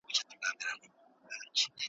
ایا دوی یوازې د ګټې په فکر کي دي؟